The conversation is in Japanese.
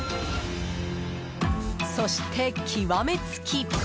そして極めつき！